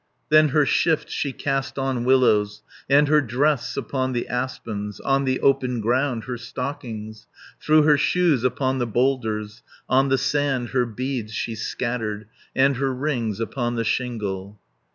Then her shift she cast on willows, And her dress upon the aspens, 310 On the open ground her stockings, Threw her shoes upon the boulders, On the sand her beads she scattered, And her rings upon the shingle.